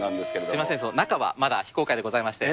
すみません、中はまだ非公開でございまして。